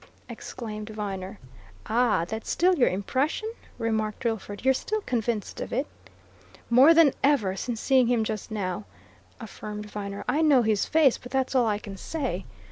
exclaimed Viner. "Ah, that's still your impression?" remarked Drillford. "You're still convinced of it?" "More than ever since seeing him just now," affirmed Viner. "I know his face, but that's all I can say.